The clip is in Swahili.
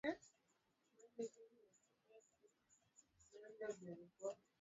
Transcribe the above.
viazi vikichakatwa husaidia kurahisisha usafirishaji